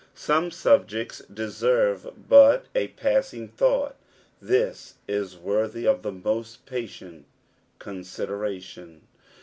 Some subjects deserve but a passing thought; this is worthy of the most patient consideration.